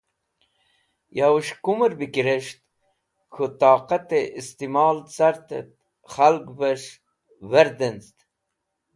Yas̃h ki kumẽr bẽ res̃ht, k̃hũ toqatẽ istimol cart khalgvẽs̃h verdẽnz̃ẽd.